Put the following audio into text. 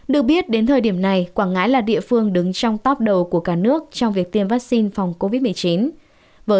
được biết đến thời điểm này quảng ngãi là địa phương đứng trong top đầu của cả nước trong việc tiêm vaccine phòng covid một mươi chín